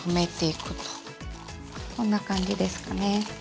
こんな感じですかね。